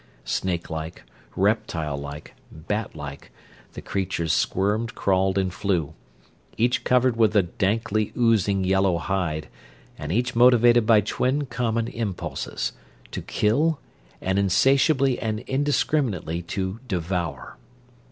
Snake like, reptile like, bat like, the creatures squirmed, crawled, and flew; each covered with a dankly oozing yellow hide and each motivated by twin common impulses to kill and insatiably and indiscriminately to devour.